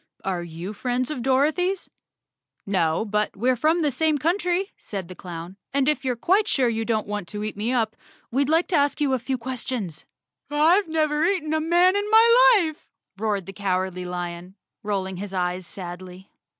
Are you friends of Dor¬ othy's?" "No, but we're from the same country," said the down, "and if you're quite sure you don't want to eat me up, we'd like to ask you a few questions." "I've never eaten a man in my life,"roared the Cow¬ ardly Lion, rolling his eyes sadly.